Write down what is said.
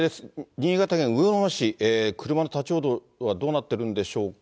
新潟県魚沼市、車の立往生はどうなってるんでしょうか。